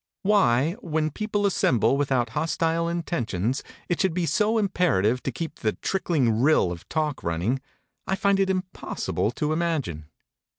Why, when people assemble without hostile intentions, it should be so imperative to keep the trickling rill of talk running, I find it impossible to imagine.